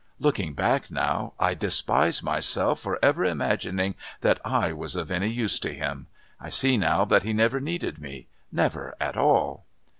Looking back now, I despise myself for ever imagining that I was of any use to him. I see now that he never needed me never at all."